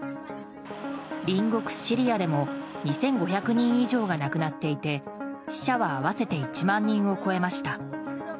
隣国シリアでも２５００人以上が亡くなっていて死者は合わせて１万人を超えました。